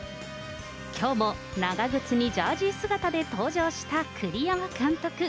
きょうも長靴にジャージ姿で登場した栗山監督。